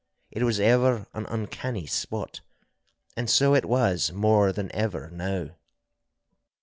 It was ever an uncanny spot, and so it was more than ever now.